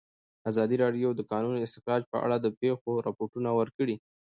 ازادي راډیو د د کانونو استخراج په اړه د پېښو رپوټونه ورکړي.